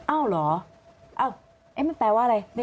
อ้าวเหรอมันแปลว่าอะไร